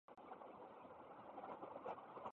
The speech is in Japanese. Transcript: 札幌市手稲区